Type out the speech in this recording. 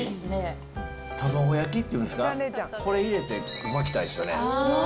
卵焼きっていうんですか、これ入れて巻きたいですよね。